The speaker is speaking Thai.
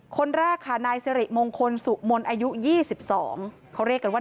คนแรกค่ะนายสิริมงคลสุมนอายุยี่สิบสองเขาเรียกกันว่า